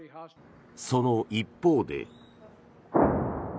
その一方で。